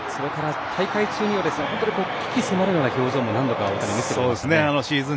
それから大会中にも鬼気迫るような表情も何度か大谷、見せてましたね。